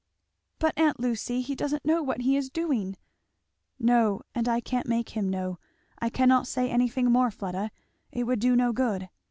"But, aunt Lucy, he doesn't know what he is doing!" "No and I can't make him know. I cannot say anything more, Fleda it would do no good.